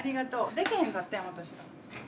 でけへんかったんや私ら。